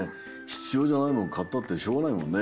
ひつようじゃないものかったってしょうがないもんね。